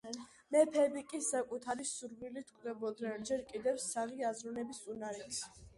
მეფეები კი საკუთარი სურვილებით კვდებოდნენ, ჯერ კიდევ საღი აზროვნების უნარით.